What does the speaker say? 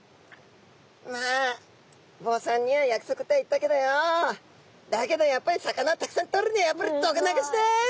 「まあ坊さんには約束と言ったけどようだけどやっぱり魚をたくさんとるにはやっぱり毒流しだい。